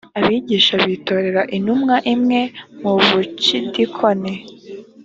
abigisha b itorera intumwa imwe mu bucidikoni